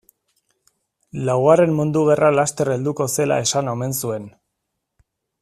Laugarren mundu gerra laster helduko zela esan omen zuen.